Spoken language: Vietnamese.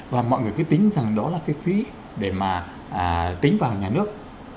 và mọi người cứ tính rằng đó là cái phí để mà tính vào nhà nước